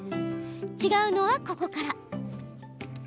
違うのは、ここから。